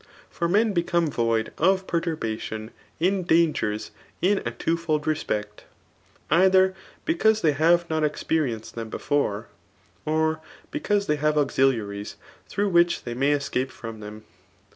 Fo^ men become void of percurbition in dai^^ in' a t!RF9fold reqseet, either befcause they have not ekprnenead them before» or because they have auxiiiaries through which they may escape from them.